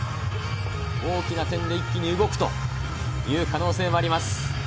大きな点で一気に動くという可能性もあります。